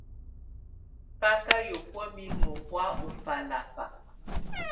Bá kà yǝ́buǝ́ mimǝ́ hɔ̀á ù falaba.